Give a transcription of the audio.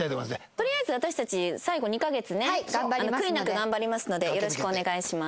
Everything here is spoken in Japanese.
とりあえず私たち最後２カ月ね悔いなく頑張りますのでよろしくお願いします。